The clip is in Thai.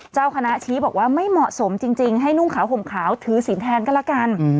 เจ้าคณะชี้บอกว่าไม่เหมาะสมจริงให้นุ่งขาวห่มขาวถือศีลแทนก็แล้วกัน